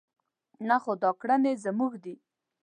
نه خو دا کړنې زموږ دي.